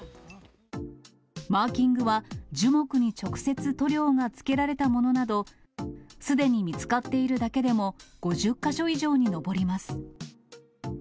マーキングは、樹木に直接塗料がつけられたものなど、すでに見つかっているだけでも５０か所以上に上ります。